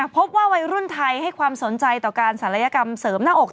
พบว่าวัยรุ่นไทยให้ความสนใจต่อการศัลยกรรมเสริมหน้าอก